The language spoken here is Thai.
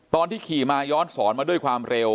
ตอนที่ขี่มาย้อนสอนมาด้วยความเร็ว